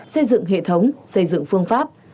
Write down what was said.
xây dựng hệ thống xây dựng phương pháp